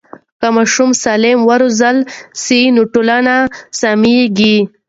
که ماشومان سالم وروزل سي نو ټولنه سمیږي.